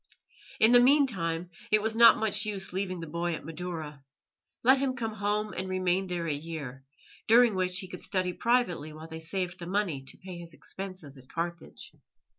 In the meantime it was not much use leaving the boy at Madaura. Let him come home and remain there a year, during which he could study privately while they saved the money to pay his expenses at Carthage.